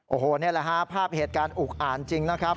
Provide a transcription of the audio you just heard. โอ้โหนี่แหละฮะภาพเหตุการณ์อุกอ่านจริงนะครับ